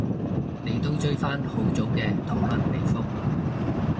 你都追返好早嘅討論嚟覆